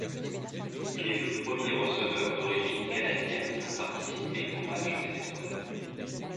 Il est le premier receveur d'origine canadienne à participer au match des étoiles.